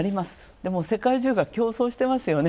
でも世界中が競争してますよね。